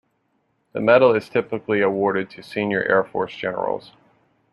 The medal is typically awarded to senior Air Force generals.